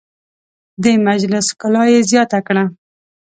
د مجلس ښکلا یې زیاته کړه.